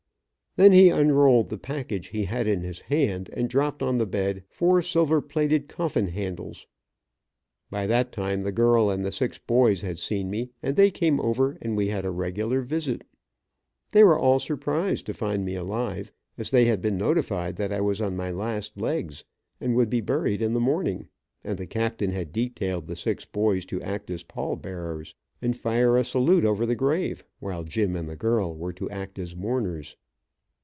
Then he unrolled the package he had in his hand, and dropped on the bed four silver plated coffin handles. By that time the girl, and the six boys had seen me, and they came over, and we had a regular visit. They were all surprised to find me alive, as they had been notified that I was on my last legs, and would be buried in the morning, and the captain had detailed the six boys to act as pall bearers and fire a salute over the grave, while Jim and the girl were to act as mourners.